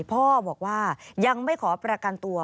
พ่อบอกว่ายังไม่ขอประกันตัว